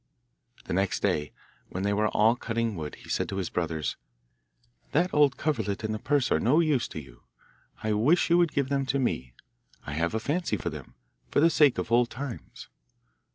The next day, when they were all cutting wood, he said to his brothers, 'That old coverlet and the purse are no use to you; I wish you would give them to me. I have a fancy for them, for the sake of old times.